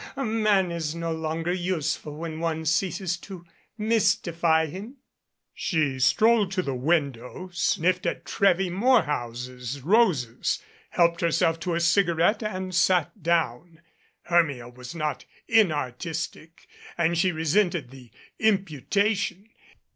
A man is no longer useful when one ceases to mystify him." She strolled to the window, sniffed at Trewy More house's roses, helped herself to a cigarette and sat down. 6 HERMIA Hermia was not inartistic and she resented the impu tation.